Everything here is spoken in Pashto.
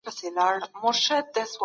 د خپل ژوندانه ژوند ووينم